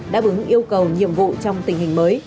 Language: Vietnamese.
đáp ứng yêu cầu nhiệm vụ trong tình hình mới